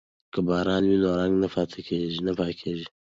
که باران وي نو رنګ نه پاکیږي.